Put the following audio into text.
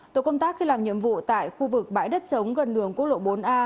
tổ công tác khi làm nhiệm vụ tại khu vực bãi đất chống gần đường quốc lộ bốn a